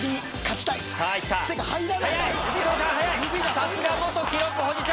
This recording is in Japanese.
さすが記録保持者。